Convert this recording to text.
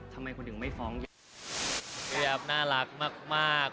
พี่แอฟน่ารักมาก